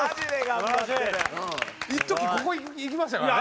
いっときここ行きましたからね。